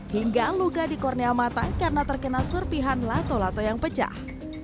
hingga luka di kornea mata karena terkena serpihan lato lato yang pecah